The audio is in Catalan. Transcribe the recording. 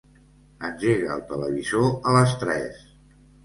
Engega el televisor a les tres.